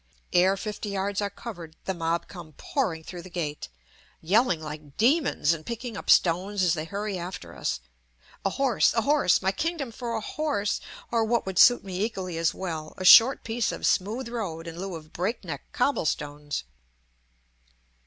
Ere fifty yards are covered the mob come pouring through the gate, yelling like demons and picking up stones as they hurry after us. "A horse, a horse, my kingdom for a horse." or, what would suit me equally as well, a short piece of smooth road in lieu of break neck cobble stones.